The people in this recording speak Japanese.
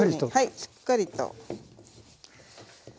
しっかりと。